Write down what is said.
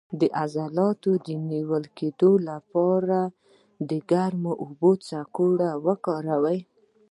د عضلاتو د نیول کیدو لپاره د ګرمو اوبو کڅوړه وکاروئ